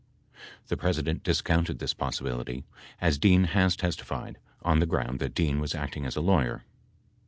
The President discounted this possibility, as Dean has testified, on the ground that Dean was acting as a lawyer.